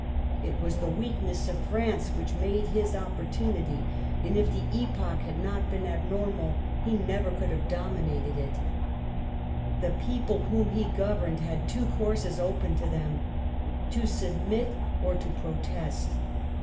It was the weakness of France which made his opportunity ; and if the epoch had not been abnormal, he never could have dominated it. The people whom he gov erned had two courses open to them : to submit or to protest.